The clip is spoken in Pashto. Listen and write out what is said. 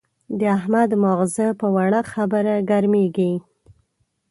د احمد ماغزه په وړه خبره ګرمېږي.